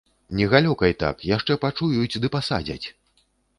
Не галёкай так, яшчэ пачуюць ды пасадзяць.